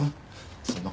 そんな事